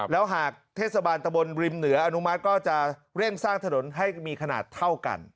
แล้วหากเทศบาลตะบนริมเหนืออนุมัติก็จะเร่งสร้างถนนให้มีขนาดเท่ากัน